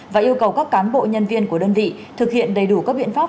và yêu cầu các cán bộ nhân viên của đơn vị thực hiện đầy đủ các biện pháp